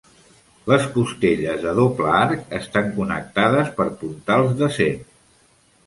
Les costelles de doble Arc estan connectades per puntals d'acer.